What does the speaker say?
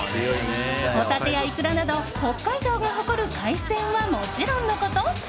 ホタテやイクラなど北海道が誇る海鮮はもちろんのこと